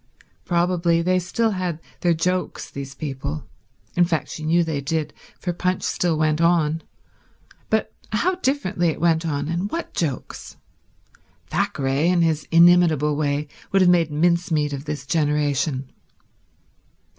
Probably they still had their jokes, these people—in fact she knew they did, for Punch still went on; but how differently it went on, and what jokes. Thackeray, in his inimitable way, would have made mincemeat of this generation.